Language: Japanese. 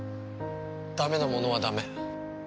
ダメなものはダメ。